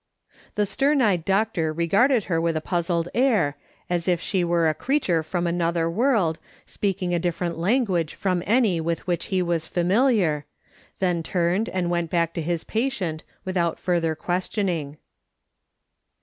The stern eyed doctor regarded her with a puzzled air, as if she were a creature from another world, speaking a different language from any with which he was familiar, then turned and went back to his patient without further questioning.